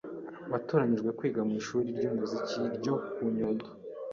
watoranyijwe kwiga mu ishuri ry’umuziki ryo ku Nyundo,